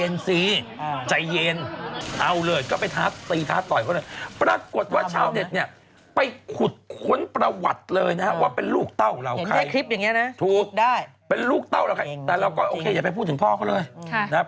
นี่กับลูกค้าคนอื่นคะกับลูกค้าคนอื่น